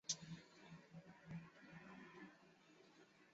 皮姆利科圣加百列堂位于华威广场西南侧。